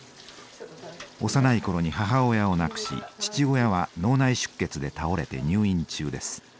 幼い頃に母親を亡くし父親は脳内出血で倒れて入院中です。